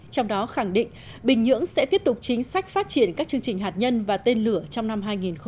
trong đó khẳng định bình nhưỡng sẽ tiếp tục chính sách phát triển các chương trình hạt nhân và tên lửa trong năm hai nghìn hai mươi